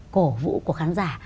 cổ vũ của khán giả